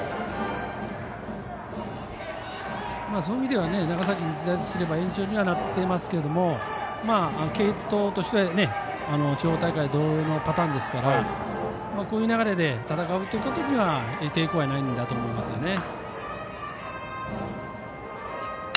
そういう意味では長崎日大とすれば延長にはなってますけども継投としては地方大会同様のパターンですからこういう流れで戦うことには抵抗はないんだと思いますね。